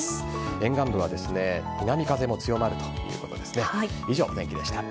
沿岸部は南風も強まるということです。